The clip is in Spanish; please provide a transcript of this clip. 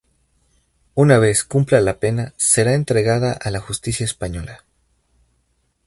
Una vez cumpla la pena, será entregada a la justicia española.